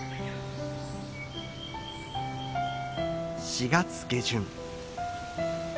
４月下旬。